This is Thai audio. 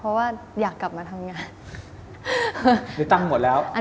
เพราะว่าอยากกลับมาทำงาน